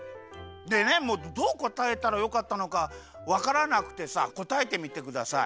でねどうこたえたらよかったのかわからなくてさこたえてみてください。